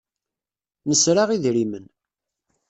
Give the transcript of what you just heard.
Nesra idrimen.